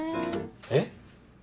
えっ？